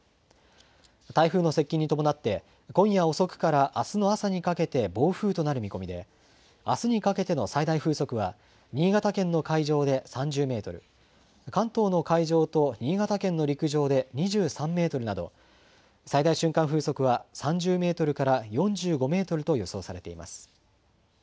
台風の接近に伴って、今夜遅くからあすの朝にかけて暴風となる見込みで、あすにかけての最大風速は、新潟県の海上で３０メートル、関東の海上と新潟県の陸上で２３メートルなど、最大瞬間風速は３０メートルから４５メートルと予想されています。